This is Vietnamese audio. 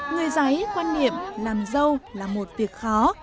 người giấy quan niệm làm dâu là một việc khó